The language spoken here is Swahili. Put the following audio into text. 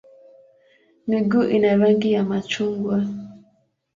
Miguu ina rangi ya machungwa.